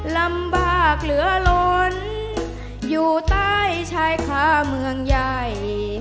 ลำบากเหลือล้นอยู่ใต้ชายคาเมืองใหญ่